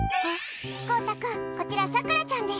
コウタ君こちら、さくらちゃんです。